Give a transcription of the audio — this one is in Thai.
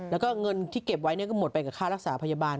แล้วก็เงินที่เก็บไว้ก็หมดไปกับค่ารักษาพยาบาล